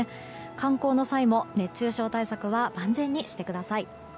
観光の際も熱中症対策は安全にしてください。